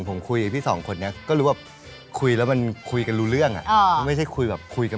ก็ไม่ต้องผอมยาวก็ได้เอาขาสวยละกัน